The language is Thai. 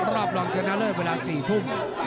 รอบรองชนะเลิศเวลา๔ทุ่ม